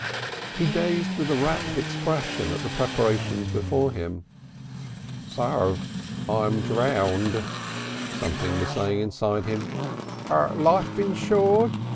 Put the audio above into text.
He gazed with a rapt expression at the preparations before him. "So I'm drowned," something was saying inside him. "Life insured?"